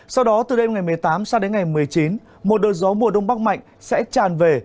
sau đó từ đêm ngày một mươi tám sang đến ngày một mươi chín một đợt gió mùa đông bắc mạnh sẽ tràn về